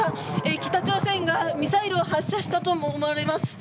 北朝鮮がミサイルを発射と思われます。